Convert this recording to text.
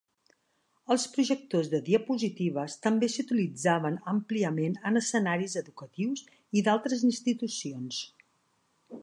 Els projectors de diapositives també s'utilitzaven àmpliament en escenaris educatius i d'altres institucions.